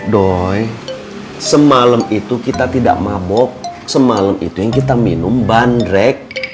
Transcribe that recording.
doy semalam itu kita tidak mabok semalam itu yang kita minum bandrek